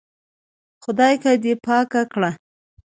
خدايکه دې پاکه کړه.